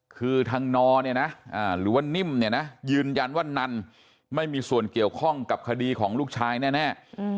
คือทางนอเนี่ยนะหรือว่านิ่มเนี่ยนะยืนยันว่านันไม่มีส่วนเกี่ยวข้องกับคดีของลูกชายแน่